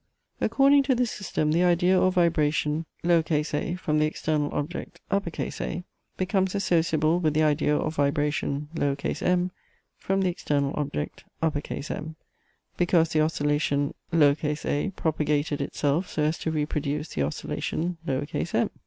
According to this system the idea or vibration a from the external object A becomes associable with the idea or vibration m from the external object M, because the oscillation a propagated itself so as to re produce the oscillation m.